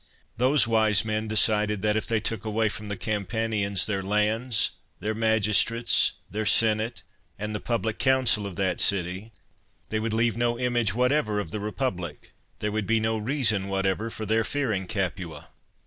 Those wise men decided that, if they took away from the Campanians their lands, their magistrates, their senate, and the public council of that city, they would leave no image whatever of the re public; there would be no reason whatever for their fearing Capua.